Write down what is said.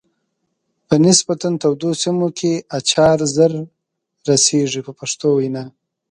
په نسبتا تودو سیمو کې اچار زر رسیږي په پښتو وینا.